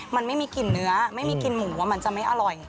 มันไม่มีกลิ่นเนื้อไม่มีกลิ่นหมูมันจะไม่อร่อย